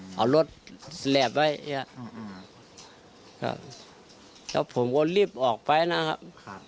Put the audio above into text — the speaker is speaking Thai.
เอารถแหลบไว้แล้วผมก็รีบออกไปนะครับ